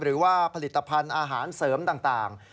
หรือว่าผลิตภัณฑ์อาหารเสริมต่าง